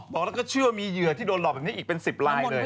บอกแล้วก็เชื่อมีเหยื่อที่โดนหลอกแบบนี้อีกเป็น๑๐ลายเลย